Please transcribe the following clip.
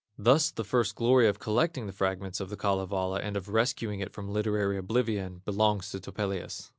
Thus the first glory of collecting the fragments of the Kalevala and of rescuing it from literary oblivion, belongs to Topelius.